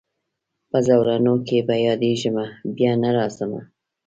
په زولنو کي به یادېږمه بیا نه راځمه